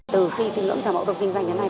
từ khi tìm ngưỡng thảo mẫu đồng kinh doanh đến nay